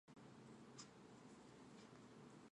つつ